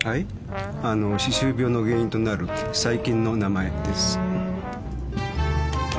あの歯周病の原因となる細菌の名前です。